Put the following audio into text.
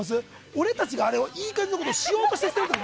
俺たちがいい感じのことをしようとしてる？